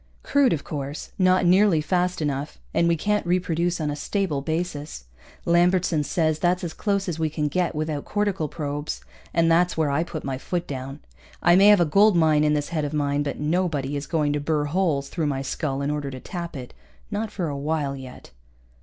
Crude, of course, not nearly fast enough, and we can't reproduce on a stable basis. Lambertson says that's as close as we can get without cortical probes. And that's where I put my foot down. I may have a gold mine in this head of mine, but nobody is going to put burr holes through my skull in order to tap it. Not for a while yet.